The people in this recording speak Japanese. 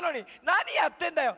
なにやってんだよ！